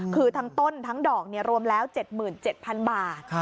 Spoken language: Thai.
คือทั้งต้นทั้งดอกรวมแล้ว๗๗๐๐บาท